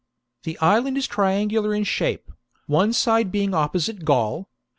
The island is triangular in shape, one side being opposite Gaul.